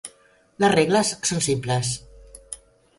Les regles són simples.